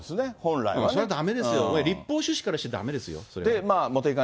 それはだめですよ、立法趣旨からしてそれはだめですよ。